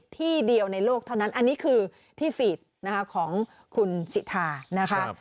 ที่เดียวในโลกเท่านั้นอันนี้คือที่ฟีดนะคะของคุณสิทานะคะ